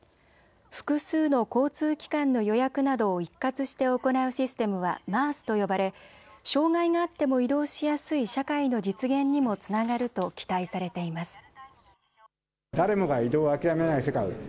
複数の交通機関の予約などを一括して行うシステムはＭａａＳと呼ばれ障害があっても移動しやすい社会の実現にもつながると期待されています。